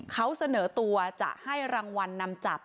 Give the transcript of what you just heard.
เขาเสนอตัวจะให้รางวัลนำจับ